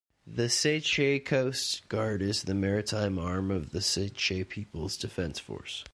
The Seychelles Coast Guard is the maritime arm of the Seychelles People's Defence Force.